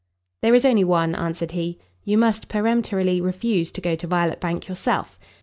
"There is only one;" answered he, "you must peremptorily refuse to go to Violet Bank yourself.